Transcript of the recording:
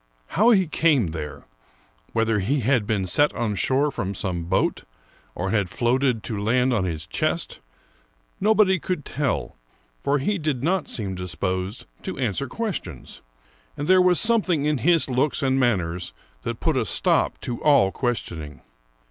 How he came there, — whether he had been set on shore from some boat, or had floated to land on his chest, — nobody could tell, for he did not seem disposed to answer questions, and there was something in his looks and manners that put a stop to all questioning.